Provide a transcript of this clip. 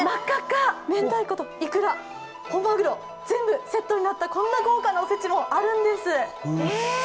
明太子といくら、本マグロ、全部セットになったこんな豪華なおせちもあるんです。